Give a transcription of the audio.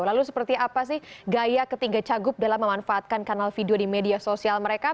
lalu seperti apa sih gaya ketiga cagup dalam memanfaatkan kanal video di media sosial mereka